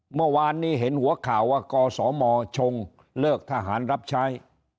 เมื่อวานนี้เห็นหัวข่าวว่ากสมชงเลิกทหารรับใช้